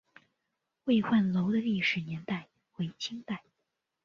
巍焕楼的历史年代为清代。